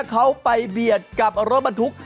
เขาไปเบียดกับรถบรรทุก